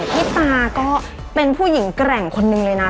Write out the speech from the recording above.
พี่ตาก็เป็นผู้หญิงแกร่งคนนึงเลยนะ